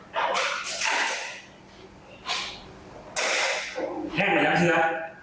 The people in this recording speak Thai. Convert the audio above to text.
แท่งเหมือนย้ำเชื้อ